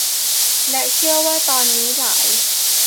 และเชื่อว่าตอนนี้หลาย